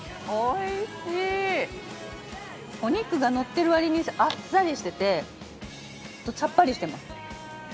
お肉がのってるわりにあっさりしててさっぱりしてます。